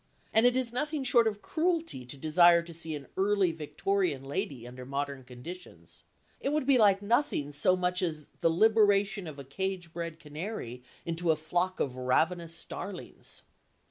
And it is nothing short of cruelty to desire to see an early Victorian lady under modern conditions; it would be like nothing so much as the liberation of a cage bred canary into a flock of ravenous starlings.